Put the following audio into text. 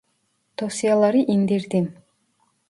Dosyaları indirdim